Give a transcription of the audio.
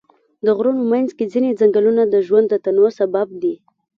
د غرونو منځ کې ځینې ځنګلونه د ژوند د تنوع سبب دي.